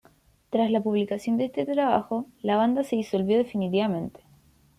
Tras la publicación de este trabajo la banda se disolvió definitivamente.